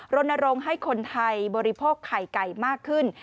รณรงค์ให้คนไทยบริโภคไข่ไก่มากขึ้น